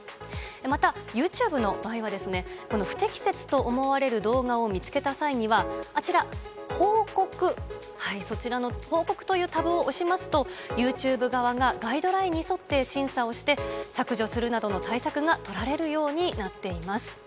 またＹｏｕＴｕｂｅの場合はですね、この不適切と思われる動画を見つけた際には、あちら、報告、そちらの報告というタブを押しますと、ＹｏｕＴｕｂｅ側がガイドラインに沿って審査をして、削除するなどの対策が取られるようになっています。